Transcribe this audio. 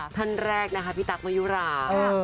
ท่านแรกนะคะพี่ตั๊กมะยุรา